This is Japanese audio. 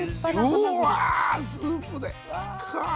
うわスープで。